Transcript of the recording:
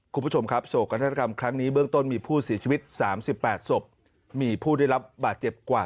คุณผู้ชมครับโศกนาฏกรรมครั้งนี้เบื้องต้นมีผู้เสียชีวิต๓๘ศพมีผู้ได้รับบาดเจ็บกว่า